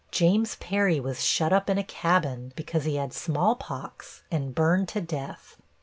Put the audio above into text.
James Perry was shut up in a cabin because he had smallpox and burned to death.